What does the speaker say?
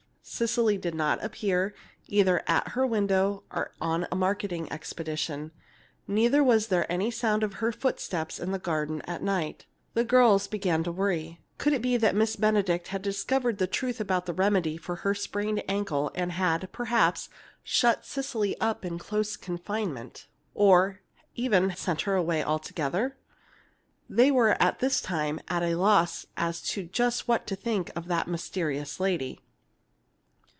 Cecily did not appear, either at her window or on a marketing expedition. Neither was there any sound of her footsteps in the garden at night. The girls began to worry. Could it be that Miss Benedict had discovered the truth about the remedy for her sprained ankle and had, perhaps, shut Cecily up in close confinement, or even sent her away altogether? They were by this time at a loss as to just what to think of that mysterious lady.